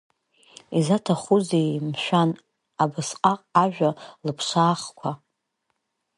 Изаҭахузеи, мшәан, абасҟак ажәа лыԥшаахқәа?